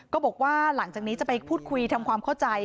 ก็บอกว่าหลังจากนี้จะไปพูดคุยทำความเข้าใจ